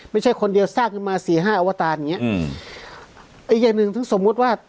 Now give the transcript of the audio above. ไม่ใช่คนเดียวสร้างขึ้นมาสี่ห้าอวตารอย่างเงี้อืมไอ้อย่างหนึ่งซึ่งสมมุติว่า